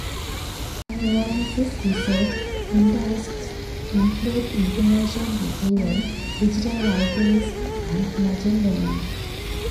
Lawrence's research interests include information retrieval, digital libraries, and machine learning.